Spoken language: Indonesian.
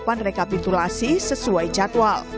melakukan rekapitulasi sesuai jadwal